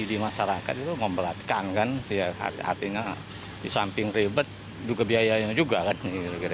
jadi masyarakat itu membelatkan kan artinya di samping ribet juga biayanya juga kan